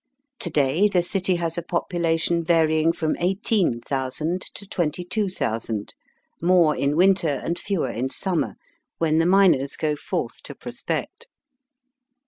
To day the city has a population varying from eighteen thousand to twenty two thousand — more in winter and fewer in summer, when the miners go forth to prospect.